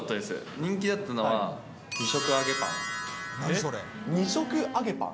人気だったのは、２色揚げパン。